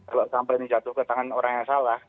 kalau sampai ini jatuh ke tangan orang yang salah